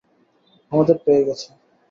আমাদের পেয়ে গেছে।